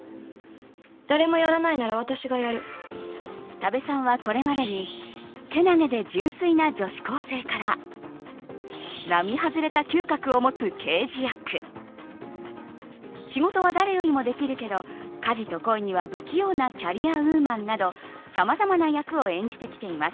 多部さんは、これまでにけなげで純粋な女子高生から並外れた嗅覚を持つ刑事役仕事は誰よりもできるけど家事と恋には不器用なキャリアウーマンなどさまざまな役を演じてきています。